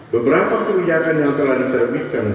beberapa kebijakan yang telah diterbitkan